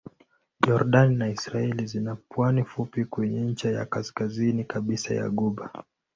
Yordani na Israel zina pwani fupi kwenye ncha ya kaskazini kabisa ya ghuba.